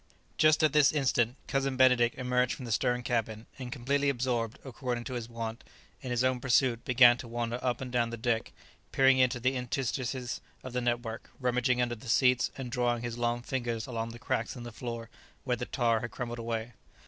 Just at this instant Cousin Benedict emerged from the stern cabin, and completely absorbed, according to his wont, in his own pursuit, began to wander up and down the deck, peering into the interstices of the network, rummaging under the seats, and drawing his long fingers along the cracks in the floor where the tar had crumbled away.